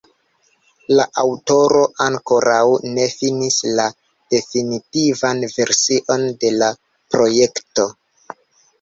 La aŭtoro ankoraŭ ne finis la definitivan version de la projekto.